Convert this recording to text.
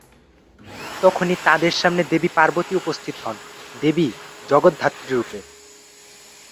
তখনই তাঁদের সামনে দেবী পার্বতী উপস্থিত হন দেবী জগদ্ধাত্রী রূপে।